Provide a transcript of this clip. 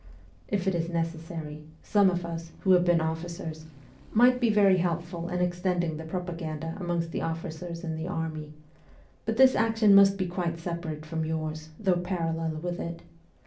If it is necessary, some of us, who have been officers, might be very helpful in extending the propaganda amongst the officers in the army ; but this action must ST. PETERSBURG 105 be quite separate from yours, though parallel with it.